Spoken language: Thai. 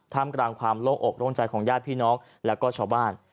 มกลางความโล่งอกโล่งใจของญาติพี่น้องแล้วก็ชาวบ้าน